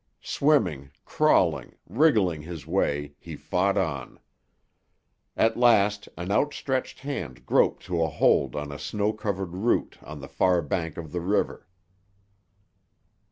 Swimming, crawling, wriggling his way, he fought on. At last an outstretched hand groped to a hold on a snow covered root on the far bank of the river.